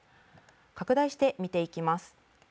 拡大して見ていきます。